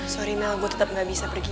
sorry mel gue tetep ga bisa pergi